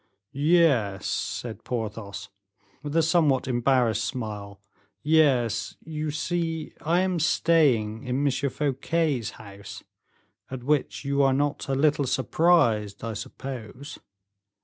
"Yes," said Porthos, with a somewhat embarrassed smile; "yes, you see I am staying in M. Fouquet's house, at which you are not a little surprised, I suppose?"